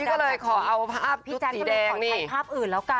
นี่ก็เลยขอเอาภาพสีแดงซอกให้ภาพอื่นแล้วกัน